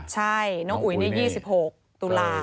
ใช่น้องอุ๋ยนี่๒๖ตุลา